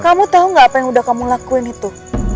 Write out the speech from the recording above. kamu tau gak apa yang udah kamu lakuin itu